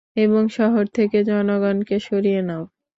এবং শহর থেকে জনগনকে সরিয়ে নাও।